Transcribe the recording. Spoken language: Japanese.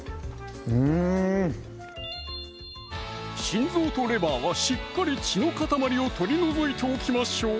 心臓とレバーはしっかり血のかたまりを取り除いておきましょう